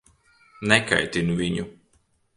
Nekaitini viņu.